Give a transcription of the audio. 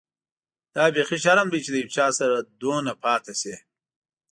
دا بيخي شرم دی چي له یو چا سره دومره پاتې شې.